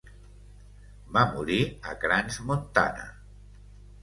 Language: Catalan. Va morir a Crans-Montana.